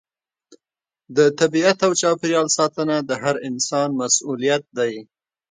د طبیعت او چاپیریال ساتنه د هر انسان مسؤلیت دی.